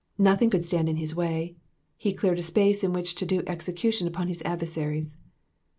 Nothing could stand in his way ; he cleared a space in which to do execution upon his adversaries.